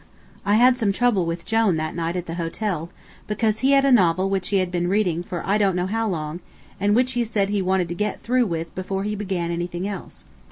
I had some trouble with Jone that night at the hotel, because he had a novel which he had been reading for I don't know how long, and which he said he wanted to get through with before he began anything else.